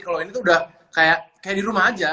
kalau ini tuh udah kayak di rumah aja